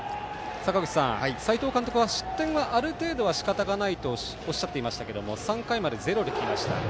坂口さん、斎藤監督は失点はある程度はしかたがないとおっしゃっていましたが３回までゼロで来ました。